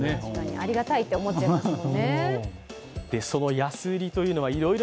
ありがたいって思っちゃいますもんね。